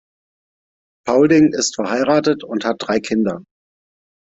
Paulding ist verheiratet und hat drei Kinder.